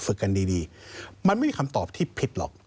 กันดีมันไม่มีคำตอบที่ผิดหรอก